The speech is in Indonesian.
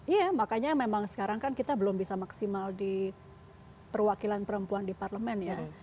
iya makanya memang sekarang kan kita belum bisa maksimal di perwakilan perempuan di parlemen ya